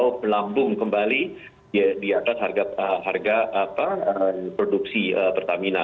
jauh pelambung kembali di atas harga produksi pertamina